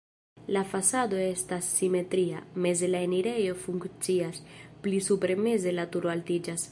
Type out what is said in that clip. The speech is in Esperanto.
La fasado estas simetria, meze la enirejo funkcias, pli supre meze la turo altiĝas.